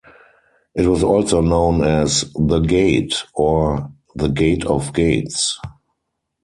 It was also known as "the Gate" or "the Gate of Gates".